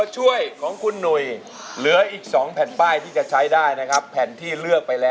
ใช่หรือไม่ใช่ครับคุณหนุย